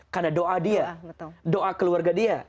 karena doa dia doa keluarga dia